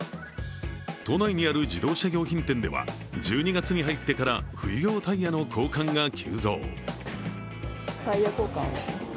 都内にある自動車用品店では、１２月に入ってから冬用タイヤの交換が急増。